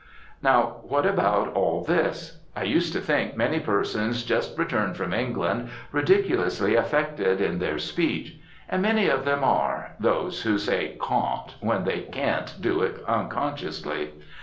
Now what about all this? I used to think many person just returned from England ridiculously affected in their speech. And many of them are those who say caun't when they can't do it unconsciously.